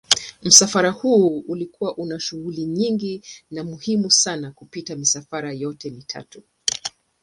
Msafara huu ulikuwa una shughuli nyingi na muhimu sana kupita misafara yote mitatu.